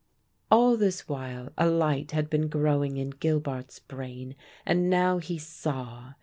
All this while a light had been growing in Gilbart's brain, and now he saw.